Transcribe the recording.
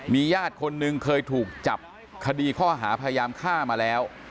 ญาติคนนึงเคยถูกจับคดีข้อหาพยายามฆ่ามาแล้ว